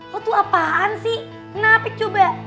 aku tuh apaan sih kenapa coba